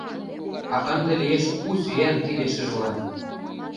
А ынде лиеш у сӱан тиде шыжылан